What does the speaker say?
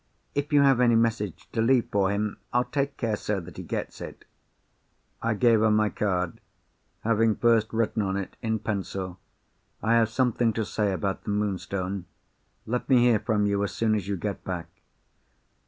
If you have any message to leave for him, I'll take care, sir, that he gets it." I gave her my card, having first written on it in pencil: "I have something to say about the Moonstone. Let me hear from you as soon as you get back."